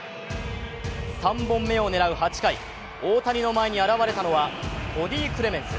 ３本目を狙う８回、大谷の前に現れたのはコディ・クレメンス。